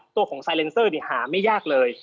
ตัวของไซเลนเซอร์หาไม่ยากเลย